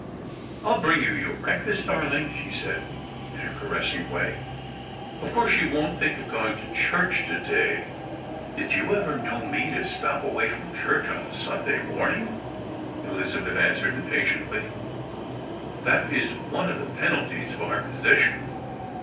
" I'll bring you your breakfast, darling," she said, in her caressing way. "Of course you won't think of going to church to day." " Did you ever kno^v /ne stop away from church on a Sunday morning ?" Elisabeth answered impatiently ;" that is one of the penalties of our position."